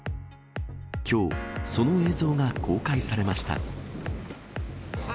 きょう、その映像が公開されました。